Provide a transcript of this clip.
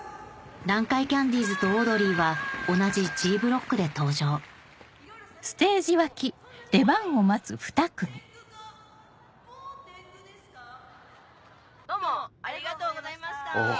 南海キャンディーズとオードリーは同じＧブロックで登場どうもありがとうございました！